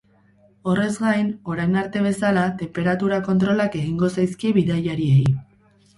Horrez gain, orain arte bezala, tenperatura kontrolak egingo zaizkie bidaiariei.